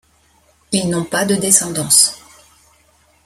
Ils n'ont pas de descendance.